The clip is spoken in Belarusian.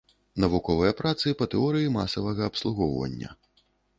Навуковыя працы па тэорыі масавага абслугоўвання.